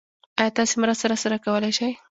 ايا تاسې مرسته راسره کولی شئ؟